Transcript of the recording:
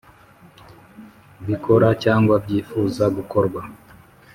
bikora cyangwa byifuza gukorwa